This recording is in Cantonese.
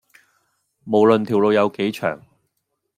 無論條路有幾長